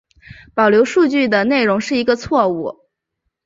保留数据的容量是一个错误。